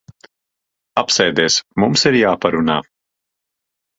Apsēdies. Mums ir jāparunā.